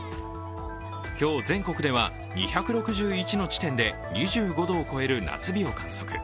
今日、全国では２６１の地点で２５度を超える夏日を観測。